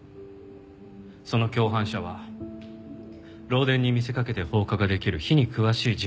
その共犯者は漏電に見せかけて放火ができる火に詳しい人物です。